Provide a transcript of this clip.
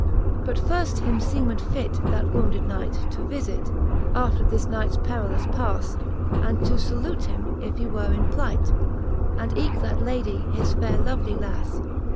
XIV. But firft him feemed fit, that wounded Knight To vifite, after this nights perillous pafle, And to falute him, if he were in plight, And eke that Lady his faire lovely laile.